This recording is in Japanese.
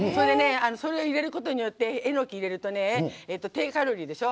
それを入れることによってエノキ入れるとね低カロリーでしょ。